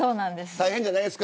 大変じゃないですか。